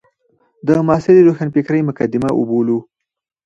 د معاصرې روښانفکرۍ مقدمه وبولو.